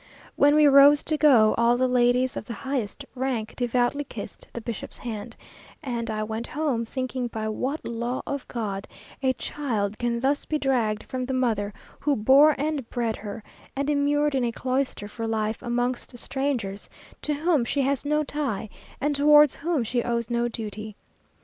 When we rose to go, all the ladies of the highest rank devoutly kissed the bishop's hand; and I went home, thinking by what law of God a child can thus be dragged from the mother who bore and bred her, and immured in a cloister for life, amongst strangers, to whom she has no tie, and towards whom she owes no duty.